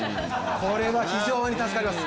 これは非常に助かります